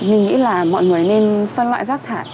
mình nghĩ là mọi người nên phân loại rác thải